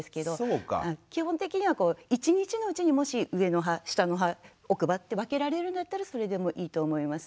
基本的には一日のうちにもし上の歯下の歯奥歯って分けられるんだったらそれでもいいと思います。